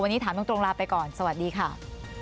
วันนี้ถามตรงลาไปก่อนสวัสดีค่ะ